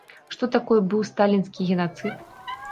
Што такое быў сталінскі генацыд?